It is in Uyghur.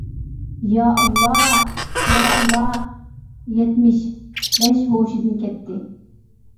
-يائاللا، يائاللا، يەتمىش. بەش. -ھوشىدىن كەتتى.